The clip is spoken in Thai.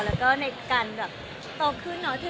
แล้วก็ในการแบบโตขึ้นเนาะ